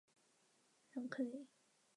普拉默代表美国参加过世界游泳锦标赛。